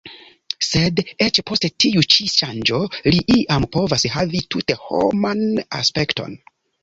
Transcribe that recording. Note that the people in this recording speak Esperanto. Sed eĉ post tiu ĉi ŝanĝo li iam povas havi tute homan aspekton.